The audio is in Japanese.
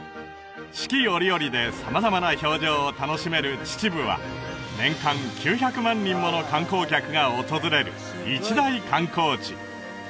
四季折々で様々な表情を楽しめる秩父は年間９００万人もの観光客が訪れる一大観光地